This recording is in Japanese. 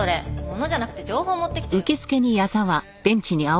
物じゃなくて情報持ってきてよ。